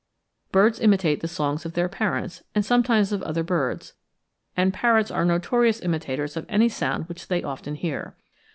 Birds imitate the songs of their parents, and sometimes of other birds; and parrots are notorious imitators of any sound which they often hear.